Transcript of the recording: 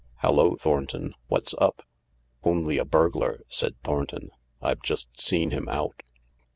" Hallo, Thornton. What's up ?"" Only a burglar," said Thornton. " I've just seen him out."